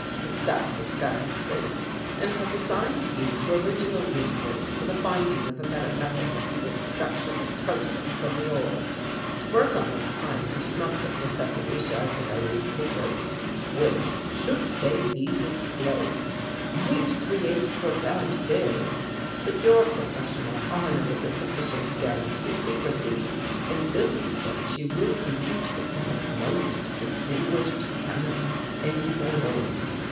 The Staff discussed this and has assigned you to original research for the finding of a better method of the extraction of protium from the ore. To work on this assignment you must of necessity share grave secrets, which, should they be disclosed, might create profound fears, but your professional honour is a sufficient guarantee of secrecy. In this research you will compete with some of the most distinguished chemists in Berlin.